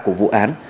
của vụ án